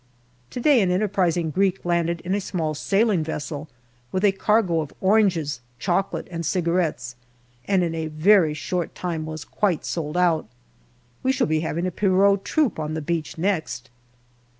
To day an enterprising Greek landed in a small sailing vessel with a cargo of oranges, chocolate, and cigarettes, and in a very short time was quite sold out. We shall be having a Pierrot troupe on the beach next.